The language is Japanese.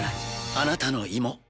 あなたの胃も。